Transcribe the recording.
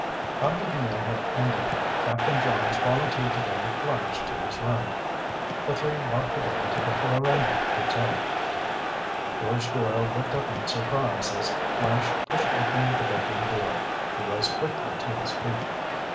After the meal had ended, Captain Johns volunteered to go with Flash to his room. The three walked together to the Clarinda Hotel. George Doyle looked up in surprise as Flash pushed open the bedroom door. He rose quickly to his feet.